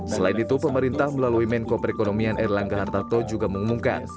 selain itu pemerintah melalui menko perekonomian erlangga hartarto juga mengumumkan